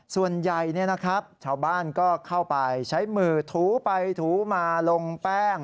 ส่วนใหญ่ชาวบ้านก็เข้าไปใช้มือถูไปถูมาลงแป้ง